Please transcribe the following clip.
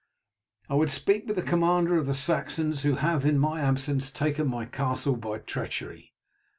"I would speak with the commander of the Saxons who have, in my absence, taken my castle by treachery."